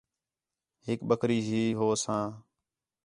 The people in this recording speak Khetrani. ہِک بکری ہی ہوساں